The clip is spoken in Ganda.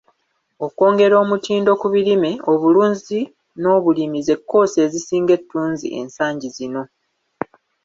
Okwongera omutindo ku birime, obulunzi n'obulimi ze kkoosi ezisinga ettunzi ensangi zino.